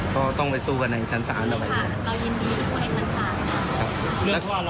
และเรือก็ว่าเราหลบหนีแล้วก็ไม่ได้ไป